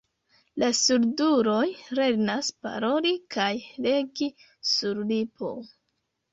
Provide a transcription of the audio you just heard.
La surduloj lernas paroli kaj legi sur lipo.